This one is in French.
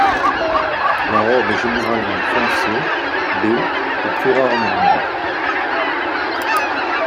La robe est généralement foncée, baie ou plus rarement noire.